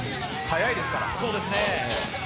速いですから。